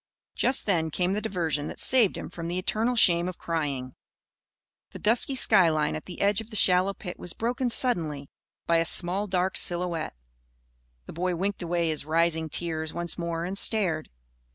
Just then came the diversion that saved him from the eternal shame of crying. The dusky skyline at the edge of the shallow pit was broken suddenly by a small dark silhouette. The boy winked away his rising tears once more, and stared.